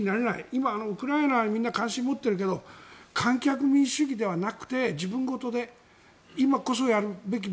今、ウクライナにみんな関心を持っているけど観客民主主義ではなくて自分事で今こそやるべき。